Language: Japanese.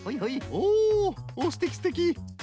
おおっすてきすてき。